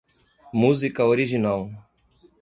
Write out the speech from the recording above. Música original.